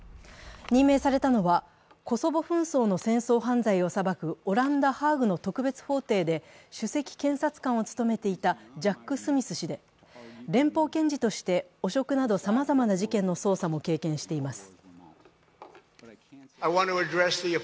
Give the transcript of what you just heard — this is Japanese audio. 任命されたのは、コソボ紛争の戦争犯罪を裁くオランダ・ハーグの特別法廷で首席検察官を務めていたジャック・スミス氏で、連邦検事として汚職などさまざまな事件の捜査も経験しています。